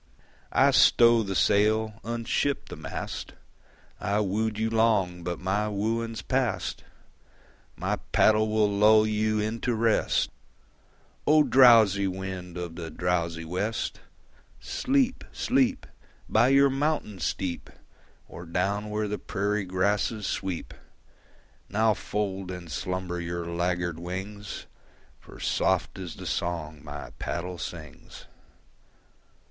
I stow the sail, unship the mast: I wooed you long but my wooing's past; My paddle will lull you into rest. O! drowsy wind of the drowsy west, Sleep, sleep, By your mountain steep, Or down where the prairie grasses sweep! Now fold in slumber your laggard wings, For soft is the song my paddle sings.